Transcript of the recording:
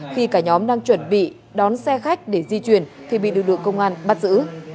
khi cả nhóm đang chuẩn bị đón xe khách để di chuyển thì bị lực lượng công an bắt giữ